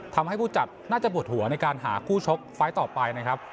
ผู้จัดน่าจะปวดหัวในการหาคู่ชกไฟล์ต่อไปนะครับ